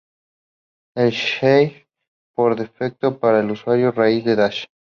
El shell por defecto para el usuario raíz es Dash.